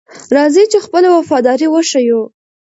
راځئ چې خپله وفاداري وښیو.